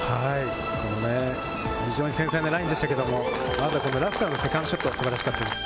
非常に繊細なラインでしたけれど、ラフからのセカンドショットが素晴らしかったです。